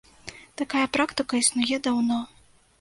Такая практыка існуе даўно.